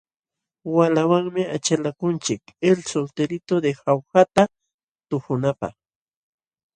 Waqlawanmi achalakunchik El solterito de jaujata tuhunapaq.